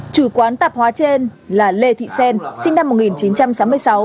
chủ quán tạp hóa trên là lê thị xen sinh năm một nghìn chín trăm sáu mươi sáu